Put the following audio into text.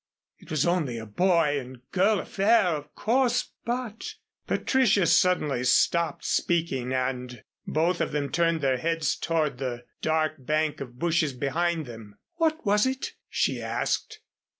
It was only a boy and girl affair, of course, but " Patricia suddenly stopped speaking, and both of them turned their heads toward the dark bank of bushes behind them. "What was it?" she asked.